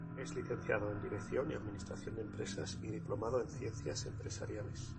Es Licenciado en Dirección y Administración de Empresas y Diplomado en Ciencias Empresariales.